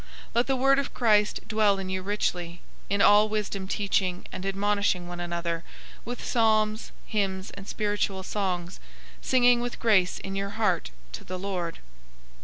003:016 Let the word of Christ dwell in you richly; in all wisdom teaching and admonishing one another with psalms, hymns, and spiritual songs, singing with grace in your heart to the Lord.